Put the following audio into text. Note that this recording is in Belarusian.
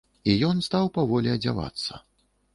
І ён стаў паволі адзявацца.